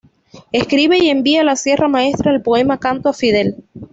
Escribe y envía a la Sierra Maestra el poema "Canto a Fidel".